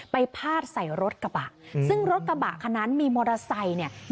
พาดใส่รถกระบะซึ่งรถกระบะคันนั้นมีมอเตอร์ไซค์เนี่ย